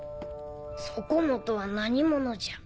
そこもとは何者じゃ？